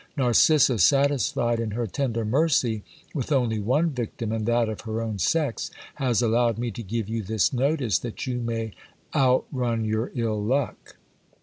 Xarcissa, satisfied in her tender mercy with only one victim, and that of her own sex, has allowed me to give you this notice, that you may outrun your ill luck.